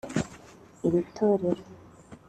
Iri torero